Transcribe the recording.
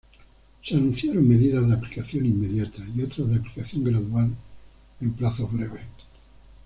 Se anunciaron medidas de aplicación inmediata y otras de aplicación gradual en plazos breves.